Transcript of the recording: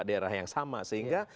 daerah yang sama sehingga